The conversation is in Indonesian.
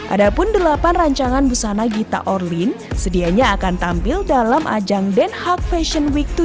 ada pun delapan rancangan busana gita orlin sedianya akan tampil dalam ajang den haag fashion week dua ribu dua